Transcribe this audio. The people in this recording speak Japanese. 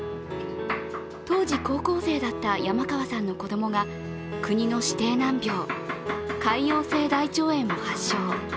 当時高校生だった山川さんの子供が国の指定難病、潰瘍性大腸炎を発症。